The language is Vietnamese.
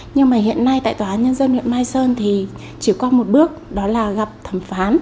nhưng mà hiện nay tại tòa án nhân dân huyện mai sơn thì chỉ có một bước đó là gặp thẩm phán